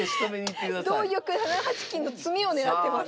同玉７八金の詰みを狙ってます。